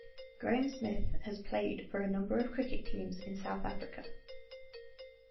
Graeme Smith has played for a number of cricket teams in South Africa.